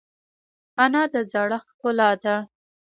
انا د زړښت ښکلا ده